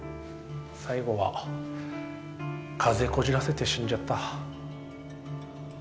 最後は風邪こじらせて死んじゃった。